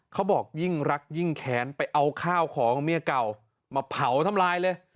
เขาบอกยิ่งรักยิ่งแขนไปเอาข้าวของเมียเก่ามาเผาทำลายเลย